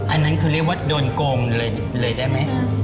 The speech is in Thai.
อันนั้นคือเรียกว่าโดนโกงเลยได้ไหม